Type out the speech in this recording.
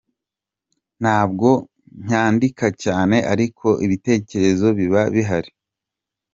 Ntabwo ncyandika cyane, ariko ibitekerezo biba bihari.